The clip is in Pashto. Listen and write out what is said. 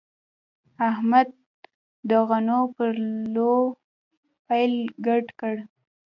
احمد د غنو پر لو پیل ګډ کړ.